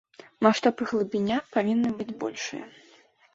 Маштаб і глыбіня павінны быць большыя.